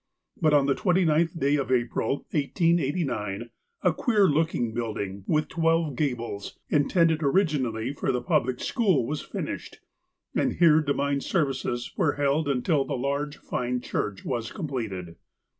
But, on the 29th day of April, 1889, a queer looking building with twelve gables, intended originally for the public school, was finished, and here divine services were held until the large, fine church was completed.